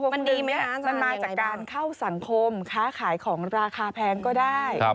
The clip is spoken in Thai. ๖๖๖๑มันมายจากการเข้าสังคมค้าขายของราคาแพงก็ได้